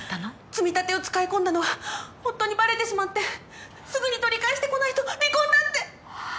積み立てを使い込んだのが夫にバレてしまってすぐに取り返してこないと離婚だって。